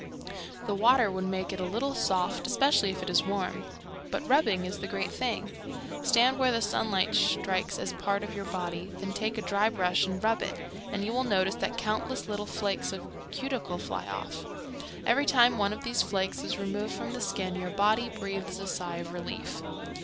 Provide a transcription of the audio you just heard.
The water would make it a little soft, especially if it was warm. But rubbing is the great thing. Stand where the sunlight strikes a part of your body, then take a dry brush and rub it, and you will notice that countless little flakes of cuticle fly off. Every time one of these flakes is removed from the skin your body breathes a sigh of relief.